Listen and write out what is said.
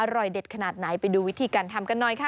อร่อยเด็ดขนาดไหนไปดูวิธีการทำกันหน่อยค่ะ